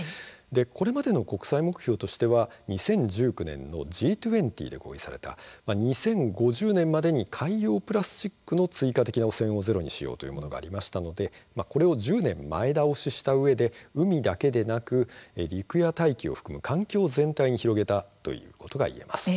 これまでの国際目標としては２０１９年のＧ２０で合意された２０５０年までに海洋プラスチックの追加的な汚染をゼロにしようという目標がありましたのでこれを１０年前倒ししたうえで海だけではなく陸や大気を含む環境全体に広げたということが言えます。